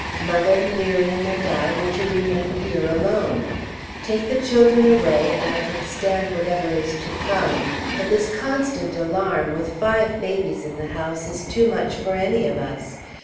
Mother, Miriam, and I were to remain here alone. Take the children away, and I can stand whatever is to come; but this constant alarm, with five babies in the house, is too much for any of us.